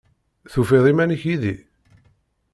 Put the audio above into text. Tufiḍ iman-ik yid-i?